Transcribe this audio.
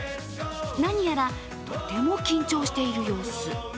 何やらとても緊張している様子。